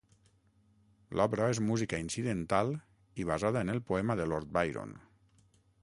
L'obra és música incidental i basada en el poema de Lord Byron.